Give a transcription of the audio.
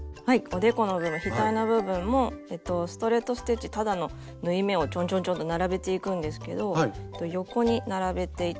おでこの部分ひたいの部分もストレート・ステッチただの縫い目をちょんちょんちょんと並べていくんですけど横に並べていきます。